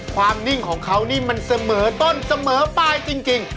ความนิ่งของเขานี่มันเสมอต้นเสมอไปจริง